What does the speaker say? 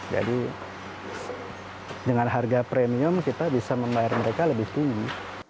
jadi dengan harga premium kita bisa membayar mereka lebih tinggi